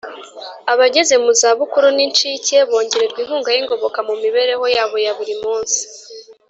Abageze mu zabukuru n incike bongererwa inkunga y ingoboka mu mibereho yabo ya buri munsi